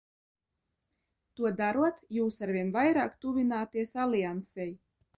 To darot, jūs arvien vairāk tuvināties Aliansei.